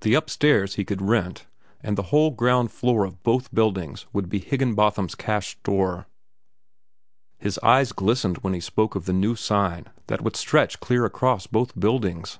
The upstairs he could rent, and the whole ground floor of both buildings would be Higginbotham's Cash Store. His eyes glistened when he spoke of the new sign that would stretch clear across both buildings.